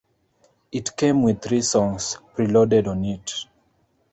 It came with three songs preloaded on it.